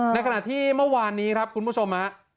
ในขณะที่เมื่อวานนี้ครับคุณผู้ชมฮะ